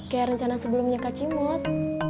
kayak rencana sebelumnya kak cimot